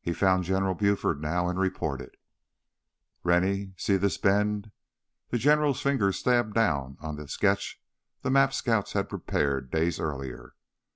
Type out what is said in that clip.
He found General Buford now and reported. "Rennie, see this bend...." The General's finger stabbed down on the sketch map the scouts had prepared days earlier.